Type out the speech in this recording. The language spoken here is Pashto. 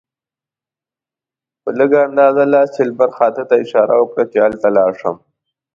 په لړزانده لاس یې لمر خاته ته اشاره وکړه چې هلته لاړ شم.